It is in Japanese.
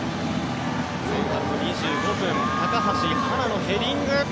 前半の２５分高橋はなのヘディング。